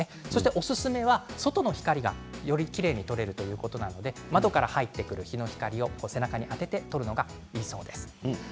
おすすめは外の光がよりきれいに撮れるということなので窓から入ってくる日の光を背中に当てて撮るのがいいそうです。